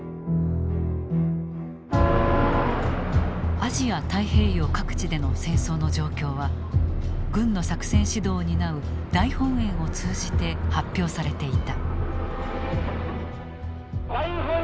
アジア・太平洋各地での戦争の状況は軍の作戦指導を担う大本営を通じて発表されていた。